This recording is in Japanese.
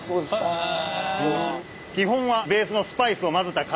へえ。